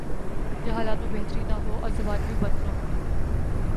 جب حالات میں بہتری نہ ہو اور زبانیں بھی بند ہوں۔